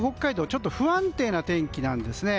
ちょっと不安定な天気なんです。